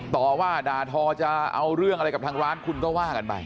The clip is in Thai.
ต่อว่าด่าทอจะเอาเรื่องอะไรกับทางร้านคุณก็ว่ากันไป